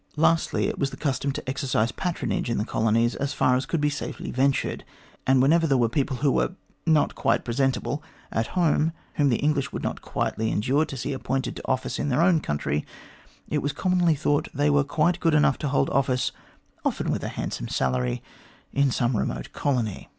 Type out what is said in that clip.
Lastly, it was the custom to exercise patronage in the colonies as far as could be safely ventured, and when ever there were people who were not quite presentable at home, whom the English would not quietly endure to see appointed to office in their own country, it was commonly thought they were quite good enough to hold office, often with a handsome salary, in some remote colony.